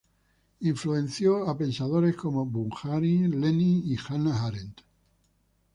Influenció a pensadores como Bujarin, Lenin y Hannah Arendt.